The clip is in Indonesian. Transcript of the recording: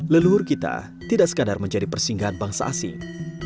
leluhur kita tidak sekadar menjadi persinggahan bangsa asing